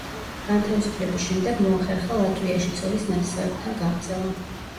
განთავისუფლების შემდეგ მოახერხა ლატვიაში, ცოლის ნათესავებთან გაღწევა.